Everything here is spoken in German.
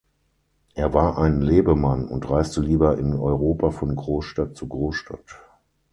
Er war ein Lebemann und reiste lieber in Europa von Großstadt zu Großstadt.